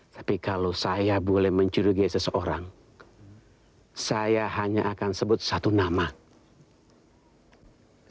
tapi kalau saya boleh mencurigai seseorang saya hanya akan sebut satu nama